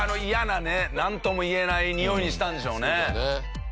なんとも言えないにおいにしたんでしょうね。